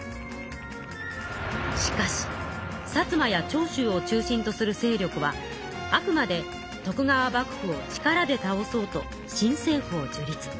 しかし薩摩や長州を中心とする勢力はあくまで徳川幕府を力でたおそうと新政府を樹立。